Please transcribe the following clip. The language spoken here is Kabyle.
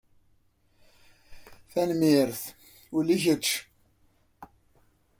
Tanemmirt! Ula i kečč!